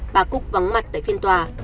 bà cúc vắng mặt tại phiên tòa